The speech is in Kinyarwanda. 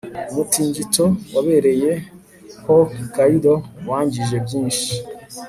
umutingito wabereye hokkaido wangije byinshi